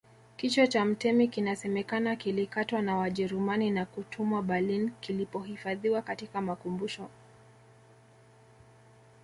Kichwa cha mtemi kinasemekana kilikatwa na Wajerumani na kutumwa Berlin kilipohifadhiwa katika makumbusho